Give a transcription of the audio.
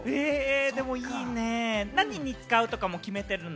いいね、何に使うとかも決めてるの？